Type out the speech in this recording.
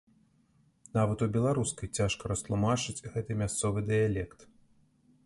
Нават у беларускай цяжка растлумачыць гэты мясцовы дыялект.